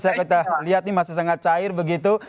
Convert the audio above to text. saya kita lihat ini masih sangat cair begitu